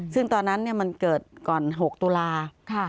ซึ่งตอนนั้นมันเกิดก่อน๖ตุลาคม